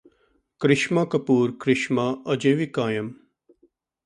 ਕ੍ਰਿਸ਼ਮਾ ਕਪੂਰ ਕ੍ਰਿਸ਼ਮਾ ਅਜੇ ਵੀ ਕਾਇਮ